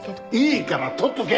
いいからとっとけ！